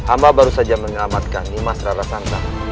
amba baru saja mengelamatkan nimas rara santak